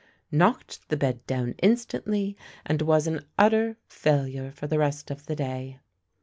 " knocked the bed down instantly, and was an utter failure for the rest of the day.